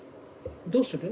どうする？